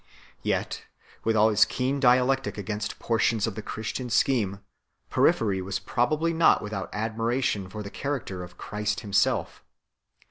Yet, with all his keen dialectic against portions of the Christian scheme, Porphyry was probably not without admiration for the character of Christ himself.